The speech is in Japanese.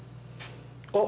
あっ！